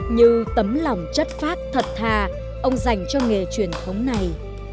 như tấm lòng chất phát thật thà ông dành cho nghề truyền thống này